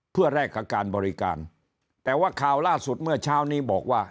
เพื่อแลกกับการบริการแต่ว่าข่าวล่าสุดเมื่อเช้านี้บอกว่า